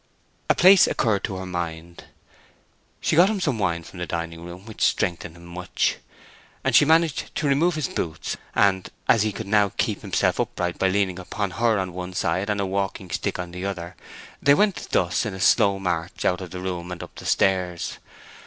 A place occurred to her mind. She got him some wine from the dining room, which strengthened him much. Then she managed to remove his boots, and, as he could now keep himself upright by leaning upon her on one side and a walking stick on the other, they went thus in slow march out of the room and up the stairs.